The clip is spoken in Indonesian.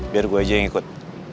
biar gue aja yang ikut